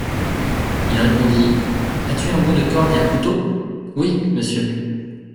Il répondit : As-tu un bout de corde et un couteau ? Oui, monsieur.